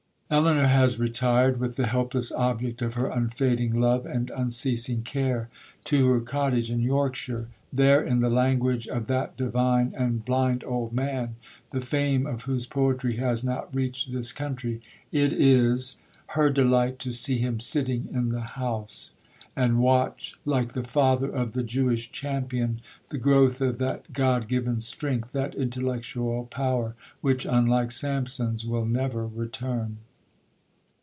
'Elinor has retired, with the helpless object of her unfading love and unceasing care, to her cottage in Yorkshire. There, in the language of that divine and blind old man, the fame of whose poetry has not yet reached this country, it is 'Her delight to see him sitting in the house,' and watch, like the father of the Jewish champion, the growth of that 'God given strength,' that intellectual power, which, unlike Samson's, will never return.